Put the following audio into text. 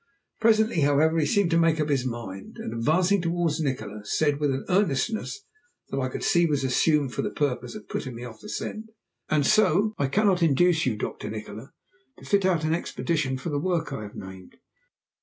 Presently, however, he seemed to make up his mind, and advancing towards Nikola, said, with an earnestness that I could see was assumed for the purpose of putting me off the scent: "And so I cannot induce you, Dr. Nikola, to fit out an expedition for the work I have named?"